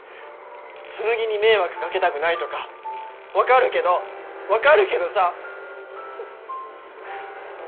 紬に迷惑掛けたくないとか分かるけど分かるけどさ。